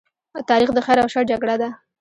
تاریخ د خیر او شر جګړه ده.